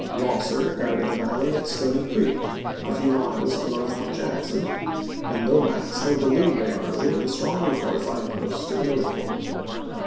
Eosser guarded the Valley at Stony Creek, a few miles below Mt. Jack son, and Lomax held the Luray road at the strongly fortified post at Millford.